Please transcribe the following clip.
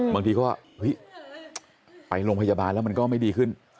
บางทีก็เฮ้ยไปโรงพยาบาลแล้วมันก็ไม่ดีขึ้น